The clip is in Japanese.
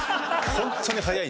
ホントに早い。